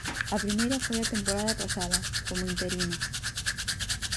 A primeira foi a temporada pasada, como interino.